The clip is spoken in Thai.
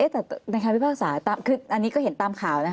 แต่ในคำพิพากษาคืออันนี้ก็เห็นตามข่าวนะคะ